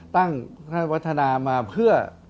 ตั้งวัฒนามาเพื่อ